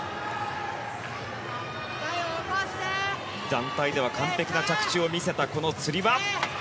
団体では完璧な着地を見せたこのつり輪。